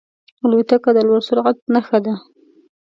الوتکه د لوړ سرعت نښه ده.